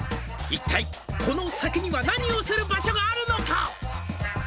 「一体この先には何をする場所があるのか」